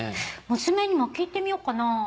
娘にも聞いてみよっかなぁ。